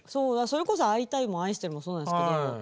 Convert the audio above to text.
それこそ会いたいも愛してるもそうなんですけど。